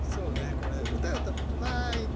これ歌だとファイト！